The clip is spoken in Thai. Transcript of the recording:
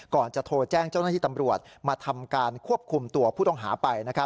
ก่อนจะโทรแจ้งเจ้าหน้าที่ตำรวจมาทำการควบคุมตัวผู้ต้องหาไป